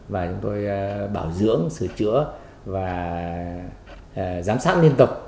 và chúng tôi bảo dưỡng sửa chữa và giám sát liên tục